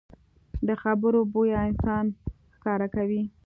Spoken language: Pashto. د خبرو بویه انسان ښکاره کوي